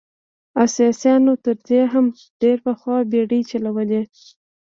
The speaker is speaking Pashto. اسیایانو تر دې هم ډېر پخوا بېړۍ چلولې.